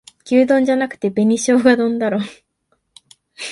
牛丼じゃなくて紅しょうが丼だろ